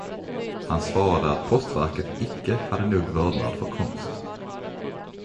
Han svarade att postverket icke hade nog vördnad för konst.